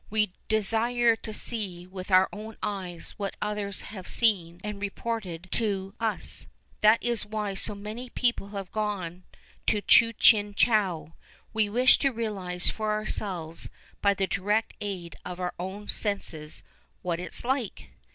We desire to see with our own eyes what others have seen and reported to us. That is why so many people have gone to Chu Chin Chow. We wish to realize for ourselves, by the direct aid of our own senses, " What it's like."